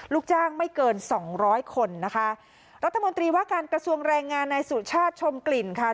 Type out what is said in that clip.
ลูกจ้างไม่เกินสองร้อยคนนะคะรัฐมนตรีว่าการกระทรวงแรงงานในสุชาติชมกลิ่นค่ะ